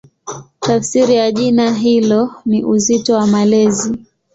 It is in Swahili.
Tafsiri ya jina hilo ni "Uzito wa Malezi".